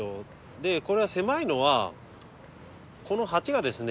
でこれは狭いのはこの鉢がですね